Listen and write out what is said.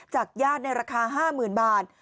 จากญาติในราคา๕๐๐๐บาท